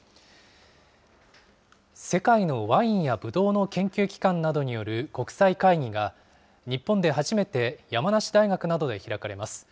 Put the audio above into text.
世界のワインやぶどうの研究機関などによる国際会議が、日本で初めて山梨大学などで開かれます。